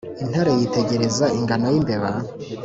intare yitegereza ingano y' imbeba